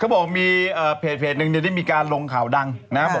เค้าบอกพืชหนึ่งนี่มีการลงข่าวดัง